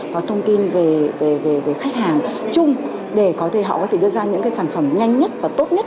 và thông tin về khách hàng chung để họ có thể đưa ra những sản phẩm nhanh nhất và tốt nhất